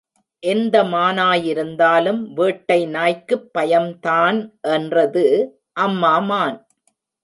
எந்த மானாயிருந்தாலும் வேட்டை நாய்க்குப் பயம்தான் என்றது அம்மா மான்.